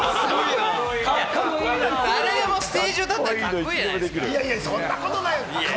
誰でもステージ上だったらカッコいいじゃないですか。